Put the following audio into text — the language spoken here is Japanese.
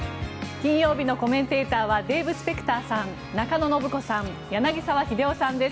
金曜日のコメンテーターはデーブ・スペクターさん中野信子さん、柳澤秀夫さんです